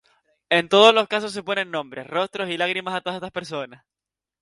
En todos los casos se ponen nombres, rostros y lágrimas a todas estas personas.